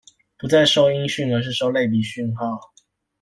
不再收音訊而是收類比訊號